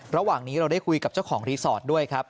ระหว่างนี้เราได้คุยกับเจ้าของรีสอร์ทด้วยครับ